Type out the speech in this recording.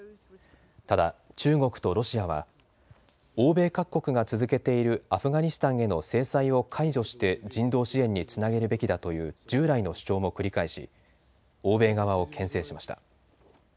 ただ、中国とロシアは欧米各国が続けているアフガニスタンへの制裁を解除して人道支援につなげるべきだという従来の主張も繰り返し欧米側をけん制しました。